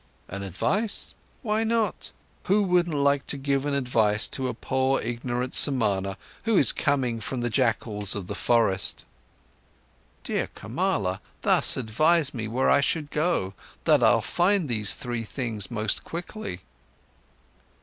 "An advice? Why not? Who wouldn't like to give an advice to a poor, ignorant Samana, who is coming from the jackals of the forest?" "Dear Kamala, thus advise me where I should go to, that I'll find these three things most quickly?"